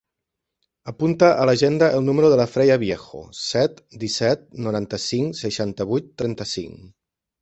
Apunta a l'agenda el número de la Freya Viejo: set, disset, noranta-cinc, seixanta-vuit, trenta-cinc.